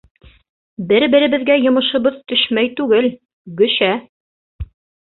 Бер- беребеҙгә йомошобоҙ төшмәй түгел гөшә...